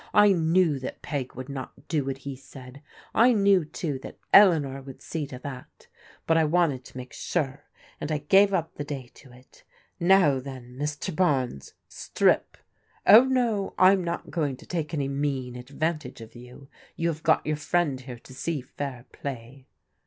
I knew that Peg would not do what he said ; I knew, too, that Eleanor would see to that, but I wanted to make sure, and I gave up the day to it Now then, Mr. Barnes, strip. Oh no, I'm not going to take any mean advantage of you; you have got your friend here to see fair play."